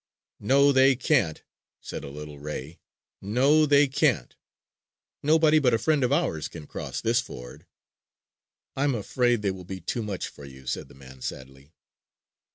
"No they can't," said a little ray. "No they can't! Nobody but a friend of ours can cross this ford!" "I'm afraid they will be too much for you," said the man sadly.